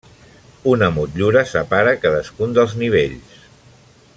Una motllura separa cadascun dels nivells.